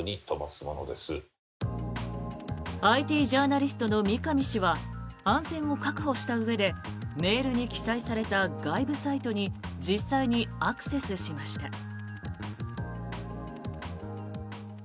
ＩＴジャーナリストの三上氏は安全を確保したうえでメールに記載された外部サイトに実際にアクセスしました。